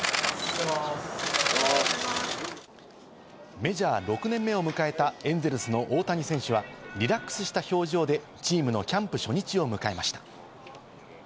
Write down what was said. メジャー６年目を迎えたエンゼルスの大谷選手はリラックスした表情でチームのキャンプ初日を迎えました。